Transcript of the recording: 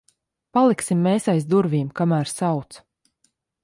Paliksim mēs aiz durvīm, kamēr sauc.